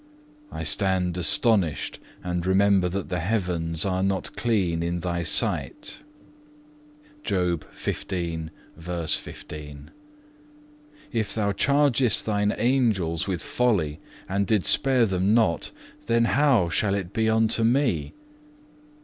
I stand astonished, and remember that the heavens are not clean in thy sight.(1) If Thou chargest Thine angels with folly, and didst spare them not, how shall it be unto me?